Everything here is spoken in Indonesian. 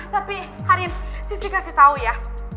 tapi karin sissy kasih tau ya